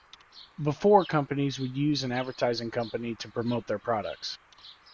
Before companies would use an advertising company to promote their products.